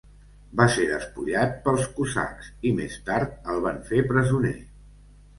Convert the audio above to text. Va ser despullat pels cosacs i més tard el van fer presoner.